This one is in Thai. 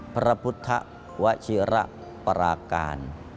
พระพุทธวชิระปราการ